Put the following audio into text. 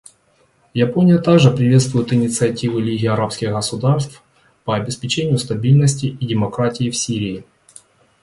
Япония также приветствует инициативы Лиги арабских государств по обеспечению стабильности и демократии в Сирии.